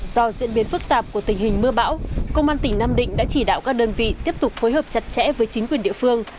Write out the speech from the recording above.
do diễn biến phức tạp của tình hình mưa bão công an tỉnh nam định đã chỉ đạo các đơn vị tiếp tục phối hợp chặt chẽ với chính quyền địa phương